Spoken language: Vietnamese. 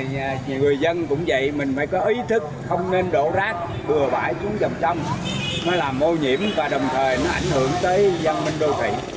và người dân cũng vậy mình phải có ý thức không nên đổ rác bừa bãi xuống dòng sông mới làm ô nhiễm và đồng thời nó ảnh hưởng tới văn minh đô thị